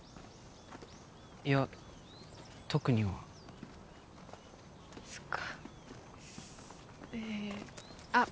いや特にはそっかえあっ